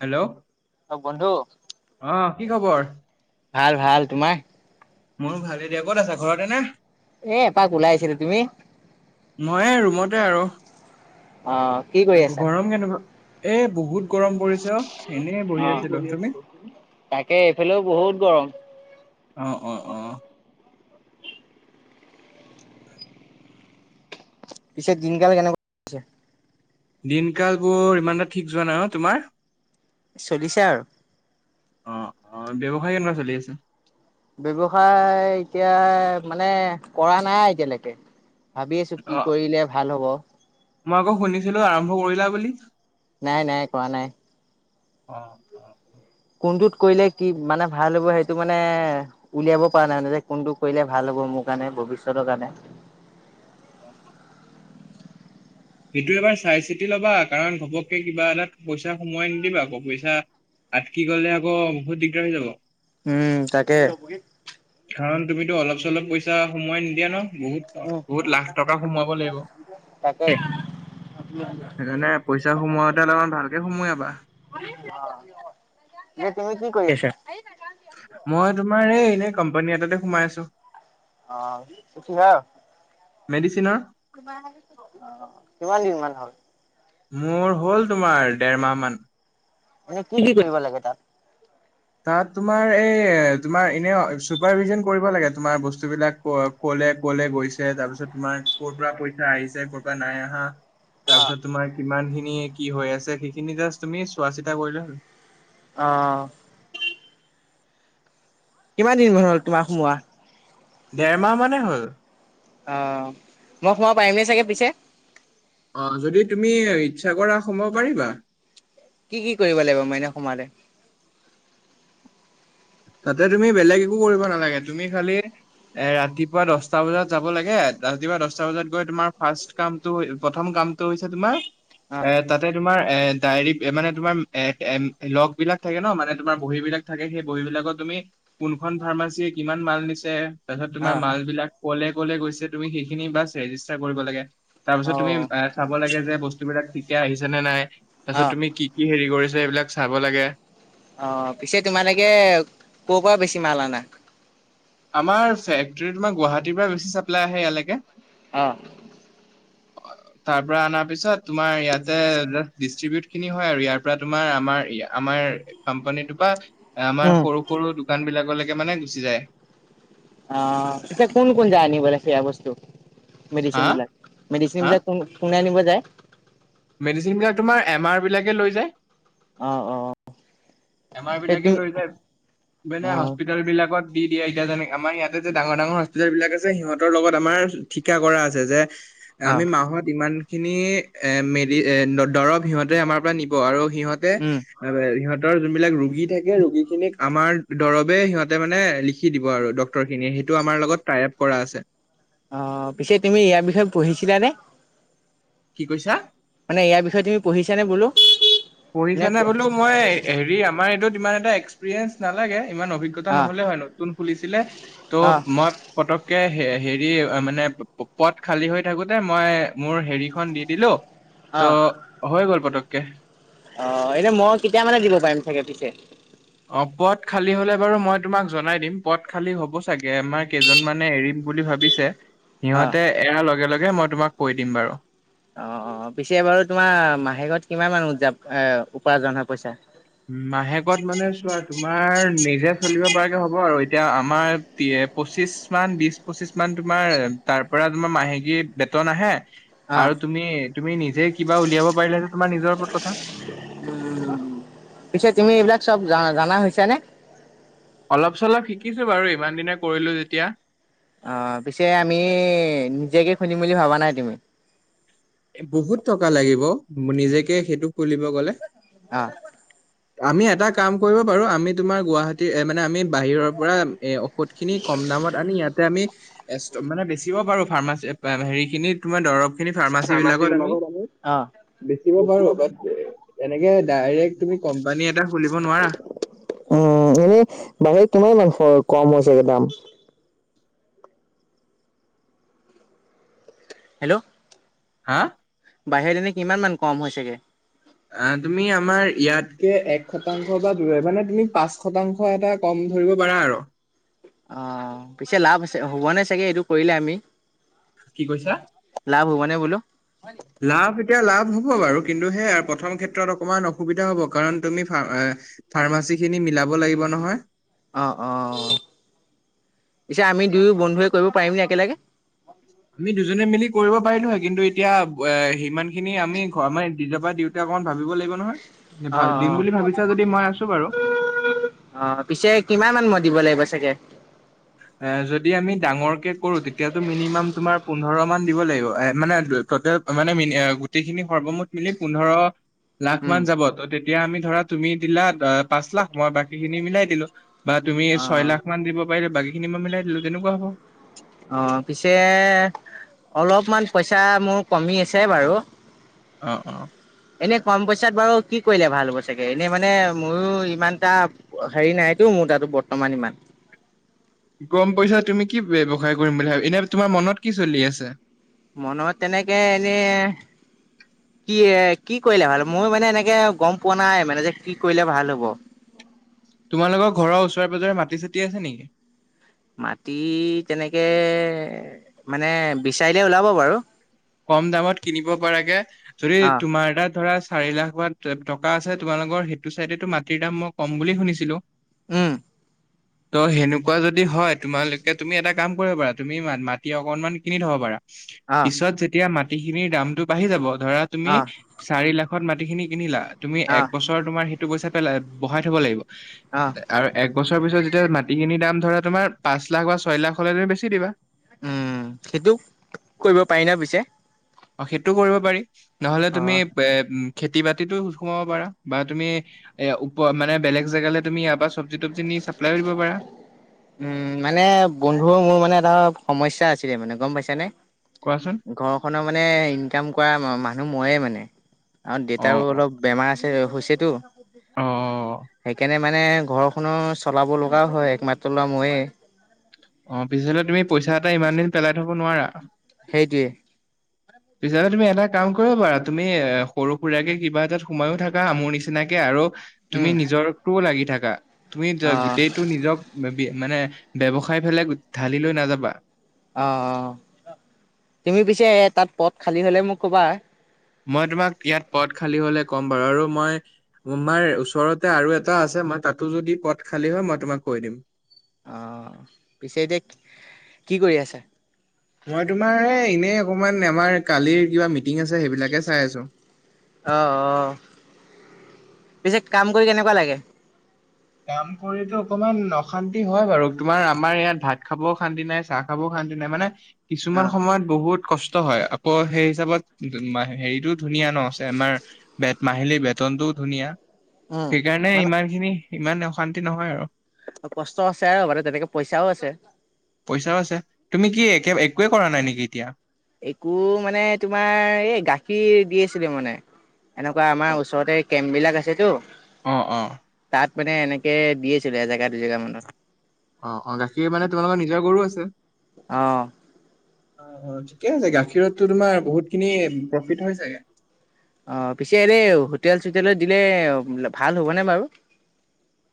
Hello অ বন্ধু অহ কি খবৰ। ভাল ভাল। তোমাৰ? ময়ো ভালেই দিয়া। ক'ত আছা ঘৰতে নে? এ এপাক ওলাই আহিছিলো। তুমি? ময় এই ৰুমতে আৰু। অ কি কৰি আছা গৰম কেনেকুৱা? এ বহুত গৰম পৰিছে অ। এনেই বহি অ আছিলো তুমি তাকে এইফালেও বহুত গৰম অঁ অঁ অঁ পিছে দিনকাল কেনেকুৱা গৈছে? দিনকাল বোৰ ইমান এটা ঠিক যোৱা নাই অ তোমাৰ। চলিছে আৰু অঁ অঁ ব্যৱসায় কেনেকুৱা চলি আছে? ব্যৱসায় এতিয়া মানে কৰা নাই এতিয়ালৈকে। ভাবি আছো অ কি কৰিলে ভাল হব। মই আকৌ শুনিছিলো আৰম্ভ কৰিলা বুলি। নাই নাই কোৱা নাই। অঁ কোনটোত কৰিলে কি মানে ভাল হ'ব সেইটো মানে উলিয়াব পৰা নাই মানে যে কোনটো কৰিলে ভাল হ'ব মোক। কাৰণে ভৱিষ্যতৰ কাৰণে অহ। সেইটো এবাৰ চাই চিতি ল'বা, কাৰণ ঘপককে কিবা এটা পইচা সোমোৱাই নিদিবা আকৌ পইচা তাত কি কৰিলে আকৌ বহুত দিগদাৰ হৈ যাব উম তাকে। কাৰণ তুমিতো অলপ চলপ পইচা সোমোৱাই নিদিয়া ন বহুত উম বহুত লাখ টকা সোমোৱাব লাগিব। তাকে সেইকাৰণে পইচা সোমোৱাতে অলপমান ভালকে সোমোৱাবা এতিয়া তুমিত কি কৰি আছা। মই তোমাৰ এই এনেই কোম্পানী এটাতে সোমাই আছো। অহ কিহে মেডিচিনৰ কিমান দিন মান হল। মোৰ হ'ল তোমাৰ দেৰমাহ মান মানে কি কি কৰিব লাগে তাত? তাত তোমাৰ এই তোমাৰ এনে চুপাৰভিজন কৰিব লাগে তোমাৰ বস্তুবিলাক লে কলে গৈছে তাৰ পিছত তোমাৰ ক'ৰ পৰা পইচা আহিছে কৰ'ৰ পৰা নাই আহা। অ তাৰপিছত তোমাৰ কিমান খিনি কি হৈ আছে সেইখিনি জাষ্ট তুমি চোৱা চিতা কৰিলে হ'ল। অ কিমান দিন হ'ল তোমাক সোমোৱা? দেৰ মাহ মানেই হ'ল। অ' মই সোমাব পাৰিমনে চাগে পিছে? অ যদি তুমি ইচ্ছা কৰা সোমাব পাৰিবা। কি কি কৰিব লাগিব মাই এনে সোমালে? তাতে তুমি বেলেগ একো কৰিব নালাগে তুমি খালি- এ ৰাতিপুৱা দশটা বজাত যাব লাগে ৰাতিপুৱা দশটা বজাত গৈ তোমাৰ ফাষ্ট কামটো প্ৰথম কাম- হৈছে তোমাৰ অ এ তাতে তোমাৰ এ ডায়েৰী মানে তোমাৰ এ এ লগ বিলাক থাকে ন মানে তোমাৰ বহী বিলাক থাকে সেই বহী বিলাক- তুমি কোনখন ফাৰ্মাচীয়ে কিমান মাল নিছে তাৰপিছত অ তোমাৰ মাল বিলাক- ক'লে ক'লে গৈছে তুমি সেইখিনি বাছ ৰেজিষ্টাৰ কৰিব লাগে। অ তাৰপিছত তুমি এ চাব লাগে যে বস্তু বিলাক ঠিকে আহিছে নে নাই? অ তাৰপিছত তুমি কি কি হেৰি কৰিছা। এইবিলাক চাব লাগে। অ পিছে তোমালোকে ক' পৰা বেছি মাল আনা? আমাৰ ফেক্টৰী তোমাৰ গুৱাহাটীৰ পৰা বেছি চাপ্লাই আহে ইয়ালৈকে অঁ তাৰ পৰা আনাৰ পিছত তোমাৰ ইয়াতে ডিষ্ট্ৰিবিউট খিনি হয় আৰু ইয়াৰ পৰা তোমাৰ আমাৰ আমাৰ কোম্পানীটোৰ পৰা আমাৰ উম সৰু সৰু দোকান বিলাকলৈকে মানে গুচি যায়। অ এতিয়া কোন কোন যায় আনিবলে, সেয়া বস্তু। মেডিচিন হা বিলাক মেডিচিন হা বিলাক কোনে আনিব যায়? মেডিচিন বিলাক তোমাৰ এম আৰ বিলাকে লৈ যায়। অ অ। বেমাৰ বিলাকে তুমি লৈ যায় মানে অ হস্পিতাল বিলাকত দি দিয়ে এতিয়া যেনে আমাৰ ইয়াতে যে ডাঙৰ ডাঙৰ হস্পিতেল বিলাক আছে সিহঁতৰ লগত আমাৰ ঠিকা কৰা আছে যে অ আমি মাহত ইমান খিনি এ মেডি দৰৱ সিহঁতে আমাৰ পৰা নিব আৰু- সিহঁতে উম সিহঁতে- ৰোগী থাকে ৰোগী খিনিক আমাৰ দৰৱে সিহঁতে মানে লিখি দিব আৰু ডক্তৰ খিনিয়ে। সেইটো- তোমাৰ লগত টাইপ কৰা আছে। অ পিছে তুমি ইয়াৰ বিষয়ে পঢ়িছিলানে? কি কৈছা? মানে ইয়াৰ বিষয়ে তুমি পঢ়িছা নে বোলো পঢ়িছা নে বোলো মই হেৰি আমাৰ এইটোত ইমান এটা এক্সপিৰিয়েঞ্চ নালাগে। ইমান অভিজ্ঞতা অ', নহলে হয় নতুন খুলিছিলে ত' অ', মই পতকে- হেৰি মানে পদ খালী হৈ থাকোতে মই মোৰ হেৰিখন দি দিলো। ত অ', হৈ গ'ল পতককে। অ এনে মই কেতিয়া মানে দিব পাৰিম চাগে পিছে। অ পদ খালী হলে বাৰু মই তোমাক জনাই দিম পদ খালী হ'ব চাগে আমাৰ কেইজন মানে এৰিম। বুলি ভাবিছে অ', সিহঁতে এয়াৰ লগে লগে মই তোমাক কৈ দিম বাৰু অ অ পিছে বাৰু তোমাৰ মাহেকত কিমান মান উজা এ উপাৰ্জন হয় পইচা? মাহেকত মানে চোৱা তোমাৰ নিজে চলিবা- আৰু এতিয়া আমাৰ পঁচিছ মান বিশ পঁচিছ মান তোমাৰ তাৰ পৰা তোমাৰ মাহেকী বেতন আহে- অ', আৰু তুমি তুমি নিজে কিবা উলিয়াব পাৰিলে সেইটো যে তোমাৰ নিজৰ ওপৰত কথা। উম তুমি এইবিলাক চব জা জানা হৈছা নে? অলপ চলপ শিকিছো বাৰু ইমান দিনে কৰিলো যেতিয়া। অ পিছে আমি নিজেকে খুলিম বুলি ভবা নাই তুমি। বহুত টকা লাগিব নিজকে সেইটো খুলিব গ'লে। অ আমি এটা কাম কৰিব পাৰো। আমি তোমাৰ গুৱাহাটীৰ এ মানে আমি বাহিৰৰ পৰা এ- বহুত খিনি কম দামত আনি ইয়াতে আমি মানে বেচিব পাৰো ফাৰ্মাচি হেৰি খিনি তোমাৰ দৰৱ খিনি ফাৰ্মাচি- ফাৰ্মাচী যিবিলাকত আমি বিলাকত অ', বেচিব পাৰো বা- এনেকে ডাইৰেক্ট তুমি কোম্পানী এটা খুলিব নোৱাৰা। উম এনেই বাহিৰত কিমান মাংস কম হৈছেগে দাম। হেল্ল' হা? বাহিৰ এনে কিমান মান কম হৈছে গে? অ তুমি আমাৰ ইয়াতকে এক শতাংশ বা দৰে মানে তুমি পাঁচ শতাংশ এটা কম ধৰিব পাৰা আৰু। অ পিছে লাভ হ'ব নে চাগে এইটো কৰিলে আমি কি কৈছা লাভ হ'ব নে বোলো। লাভ এতিয়া লাভ- হব বাৰু কিন্তু সেয়া প্ৰথম ক্ষেত্ৰত অকমন অসুবিধা হব, কাৰন তুমি ফাৰ্মাচী খিনি মিলাব লাগিব। াব লাগিব নহয়। অ অ। পিছে আমি দুয়ো বন্ধুৱে কৰিব পাৰিমনে একেলগে? আমি দুজনে মিলি কৰিব পাৰিলোহে কিন্তু এতিয়া সিমান খিনি আমি আমাৰ নিজৰ পৰা দিওঁতে- অকমান ভাবিব লাগিব নহয় অ', দিম অ', বুলি ভাবিছা যদি মই আছো বাৰু অ' পিছে কিমান মান মই দিব লাগিব চাগে? এ যদি আমি ডাঙৰ কে কৰো, তেতিয়াতো মিনিমাম তোমাৰ পোন্ধৰ মান দিব লাগিব মানে তাতে মানে গোটেইখিনি সৰ্বমুঠ মিলি পোন্ধৰ- লাখ মান উম। যাব ত তেতিয়া আমি ধৰা তুমি দিলা পাঁচ লাখ মই বাকী খিনি মিলাই দিলো। বা তুমি অ ছয় লাখ মান দিব পাৰিলে বাকী খিনি মই মিলাই দিলো তেনেকুৱা হ'ব। অ পিছে অলপমান পইচা মোৰ কমি আছে বাৰু অ অ। এনে কম পইচাত বাৰু কি কৰিলে ভাল হ'ব চাগে। এনে মানে মোৰো ইমান এটা হেৰি নাই। নাইতো মোৰ তাতো বৰ্তমান ইমান গম পইচা তুমি কি ব্যৱসায় কৰিম বুলি ভাবি এনে তোমাৰ মনত কি চলি আছে? মনত তেনেকে এনেই- কি এ কি কৰিলে ভাল। মই মানে এনেকে গম পোৱা নাই মানে যে কি কৰিলে ভাল হব। [unintelligible] তোমালোকৰ ঘৰৰ ওচৰে পাজৰে ৰে মাটি চাতি আছে নেকি? মাটি তেনেকে মানে বিচাৰিলে ওলাব বাৰু কম দামত কিনিব পৰাগে যদি অ তোমাৰ তাত ধৰা চাৰি লাখ মান টকা আছে তোমালোকৰ সেইটো চাইডত মাটিৰ দাম মই কম বুলি শুনিছিলো উম। ত সেনেকুৱা যদি হয় তোমালোকে তুমি এটা কাম কৰিব পাৰা তুমি মাটি অকনমান কিনি থব পাৰা অ পিছত যে এতিয়া মাটি খিনিৰ দামতটো বাঢ়ি যাব ধৰা তুমি অ চাৰি লাখত মাটিখিনি কিনিলা, তুমি অ এক বছৰ তোমাৰ সেইটো পইচা পেলা বহাই থ'ব লাগিব। অ আৰু এক বছৰৰ পিছত যেতিয়া মাটিখিনি দাম- ধৰা তোমাৰ পাঁচ লাখ বা ছয় লাখ হলে তুমি বেছি দিবা। উম সেইটো কৰিব পাৰি ন পিছে। অ সেইটো কৰিব পাৰি নহলে তুমি এ খেতি। খেতি বাতিটো সোমাব পাৰা বা তুমি এ উপ মানে বেলেগ জেগালে তুমি ইয়াৰ পৰা তবজি নি চাপ্লাইও দিব পাৰা উম মানে বন্ধু মোৰ মানে এটা সমস্যা আছে। গম পাইচা নে? কোৱাচোন ঘৰ খনৰ মেইন ইনকম কৰা মান ময়ে মানে আৰু অ দেতাৰো অ অলপ বেমাৰ আছে হৈছেতো অ সেইকাৰণে মানে ঘৰখনো চলাব লগাও হয় একমাত্ৰ লৰা মই এ। অ পিছলে তুমি পইচা এটা ইমান দিন পেলাই থব নোৱাৰা। সেইটোৱে। পিছ তুমি এটা কাম কৰিবা তুমি সৰু সুৰাৰাকে কিবা এটাত সোমাইয়ো থাকা আ মোৰ নিচিনাকে আৰু তুমি উম নিজৰটো লাগি থাককা তুমি অ', গোটেইটো নিজক মানে ব্যৱহা। খাই পেলাই ঢালি লৈ নাযাবা অ', অ', তুমি পিছে তাত পদ খালী হ'লে মোক ক'বা। মই তোমাক ইয়াত পথ খালী হলে ক'ম বাৰু আৰু মই তোমাৰ ওচৰতে আৰু এটা আছে মই তাতো যদি পথ খালী হয় মই তোমাক কৈ দিম অঁ পিছে এতিয়া কি কৰি আছে? মই তোমাৰ এ এনেই অকমান আমাৰ কালিৰ কিবা মি মিটিং আছে সেইবিলাকে চাই আছো অ', অ', পিছে কাম কৰি কেনেকুৱা লাগে? কাম কৰিতো অকমান অশান্তি হয় বাৰু তোমাৰ আমাৰ ইয়াত ভাত খাবও অ শান্তি নাই চাহ খাব অ শান্তি নাই। কিছুমান অ', সময়ত বহুত কষ্ট, হয় আকৌ সেই হিচাপত হেৰিটো ধুনীয়া ন আমাৰ বেত মাহিলীৰ বেতনটো ধুনীয়া উম সেইকাৰণে মানে ইমান খিনি ইমান অশান্তি নহয় আৰু কষ্ট আছে আৰু বাৰু তেনেকে পইচাও আছে পইচাও আছে তুমি কি এক একোৱে কৰা নাই নেকি এতিয়া? একো মানে তোমাৰ এই গাখীৰ দি আছিলে মানে এনেকুৱা অ আমাৰ ওচৰতে কেম্প বিলাক আছেতো অ অ তাত মানে এনেকে দিছিলে এজেগা দুজেগা মানত আহ অ গাখীৰ মানে তোমালোকৰ নিজৰ গৰু আছে‌। অ', অ অ ঠিকে আছে গাখীৰতো তোমাৰ বহুতখিনি প্ৰফিট হয় চাগে। অ পিছে এনে হোটেল চোটেলত দিলে ভাল হ'বনে বাৰু,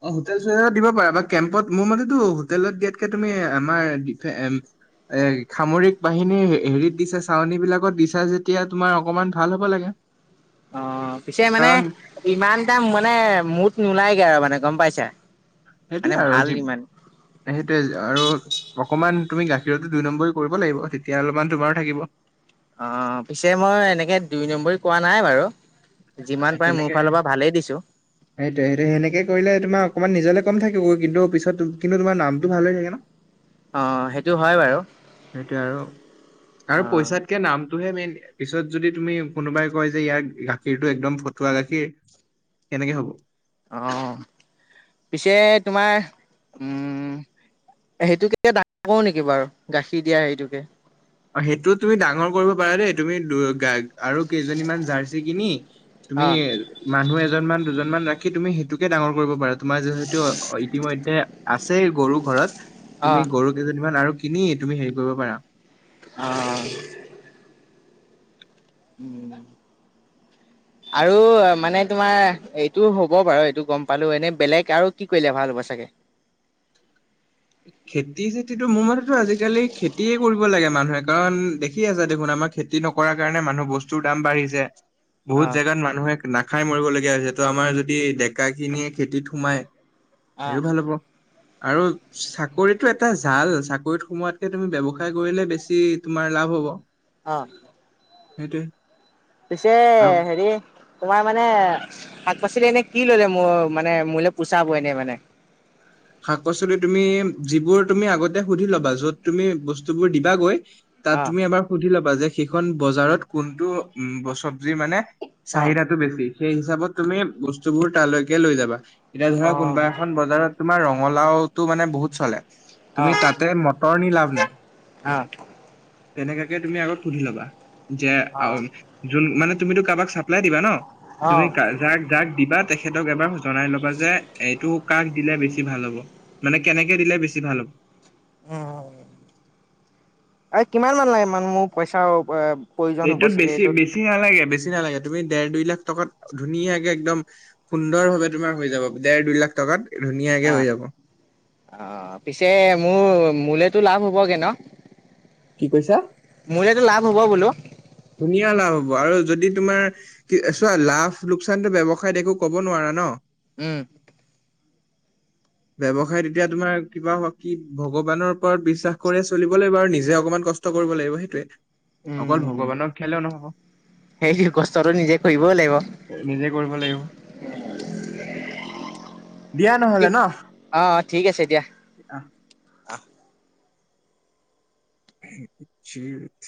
অ হোটেল চোটেল দিব পাৰা বা কেম্পত মোৰ মতেতো হোটেলত দিয়াতকে তুমি আমাৰ এ সামৰিক বাহিনীৰ হেৰিত দিছে চাউনী বিলাকত দিছা যেতিয়া তোমাৰ অকমান ভাল হ'ব লাগে অ পিছে মানে কাৰণ ইমানটা মানে মুঠ নোলাইগে আৰু মানে গম পাইছা। সেইটোয়ে মানে আৰু ভাল যি ইমান সেইটোয়ে আৰু অকমান তুমি গাখীৰতো দুই নম্বৰ কৰিব লাগিব তেতিয়া অলপমান তোমাৰো থাকিব অ পিছে মই এনেকে দুই নম্বৰী কোৱা নাই বাৰু যিমান পাৰে মোৰ তেনেকে ফালৰ পৰা ভালেই দিছো সেইটোয় সেইটো সেনেকে কৰিলে তোমাক অকণমান নিজলে কম থাকিব কিন্তু পিছত কিন্তু তোমাৰ নামটো ভাল হৈ থাকে ন অ সেইটো হয় বাৰু সেইটোয়ে আৰু আৰু অ', পইচাতকে নাম সটোহে মেইন পিছত যদি তুমি কোনোবাই কয় যে ইয়াৰ গাখীৰটো একদম ফটুৱা গাখীৰ কেনেকে হব? অ পিছে তোমাৰ উম সেইটোকে ডাঙৰ নেকি বাৰু গাখীৰ দিয়া হেইটোকে অ সেইটো তুমি ডাঙৰ কৰিব পাৰা দেই তুমি দু গ আৰু কেইজনীমান জাৰ্চি কিনি অ তুমি মানুহ এজনমান দুজনমান ৰাখি কি তুমি সেইটোকে ডাঙৰ কৰিব পাৰা তোমাৰ যিহেতু ইতিমধ্যে আছে গৰু ঘৰত অ তুমি গৰু কেইজনীমান আৰু কিনি তুমি হেৰি কৰিব পাৰা আহ উম আৰু মানে তোমাৰ এইটো হ'ব বাৰু এইটো গম পালো এনেই বেলেগ আৰু কি কৰিলে ভাল হ'ব চাগে? [inaudible] খেতি চেতিটো মোৰ মতেতো আজিকালি খেতিয়ে কৰিব লাগে মানুহে কাৰণ দেখি আছে দেখোন আ আমাৰ খেতি নকৰাৰ কাৰণে মানুহ বস্তুৰ দাম বাঢ়িছে। অ বহুত জেগাত মানুহে নাখাই মৰিবলগীয়া হৈছে তো আমাৰ যদি ডেকাখিনিয়ে খেতিত সোমাই অ সও ভাল হ'ব আৰু [unintelligible] চাকৰিতটো এটা জাল চাকৰিত সোমোৱাতকে তুমি ব ব্যৱসায় কৰিলে বেছি তোমাৰ লাভ হব। অ সেইটোৱে পছে আৰু হেৰি তোমাৰ মানে শাক পাচলি এনে কি ললে মোৰ মানে মোলে পোচাব এনেই মানে শাক পাচলি তুমি যিবোৰ তুমি আগতে সুধি ল'বা যত তুমি বস্তুবোৰ দিবাগৈ তাত অ তুমি এবাৰ সুধি ল'বা যে সেইখন বজাৰত কোনটো চজ্বি মানে অ চাহিদাটো বেছি সেই হিচাপত তুমি বস্তুবোৰ তালৈকে লৈ যাবা। এতিয়া ধৰা অ কোনোবা এখন বজাৰত তোমাৰ ৰঙালাও মানে বহুত চলে। তুমি তাতে মটৰ নি লাভ নাই। অহ তেনেকাকে তুমি আগত সুধি ল'বা যে অ যোন মানে তুমিতো কাৰোবাক চাপ্লাই দিবা ন অ তুমি যাৰ যাক দিবা তেখেতক এবাৰ জনাই ল'বা যে এইটো কাক দিলে বেছি। ভাল হ'ব মানে কেনেকে দিলে বেছি ভাল হ'ব উম উ কিমান মান লাগে মান মোৰ পইচা এইটোত বেছি বেছি নালাগে বেছি বি নালাগে তুমি দেৰ দুই লাখ টকাত ধুনীয়াকে একদম সুন্দৰ ভাৱে তুমাৰ হৈ যাব দেৰ দুই লাখ টকাত। ধুনীয়াকে হৈ আহ যাব অ পিছে মোৰ মোলেতো লাভ হ'বগে ন কি কৈছা মোলেতো লাভ হ'ব বোলো। ধুনীয়া লাভ হব আৰু যদি তোমাৰ কি চোৱা লাভ লোকচানটো ব্যৱসায় একো কব নোৱাৰা ন। উম ব্যৱসায় এতিয়া তোমাৰ কিবা কি ভগৱানৰ ওপৰত বিশ্বাস কৰিয় চলিব লাগিব আৰু নিজে অকমান কষ্ট কৰিব লাগিব সেইটোৱে অকল ভ সেই কষ্টটো নিজে কৰিবও লাগিব। নিজে কৰিব লাগিব দিয়া [inaudible] নহ'লে ন। অ ঠিক আছে দিয়া আহ, আহ। জি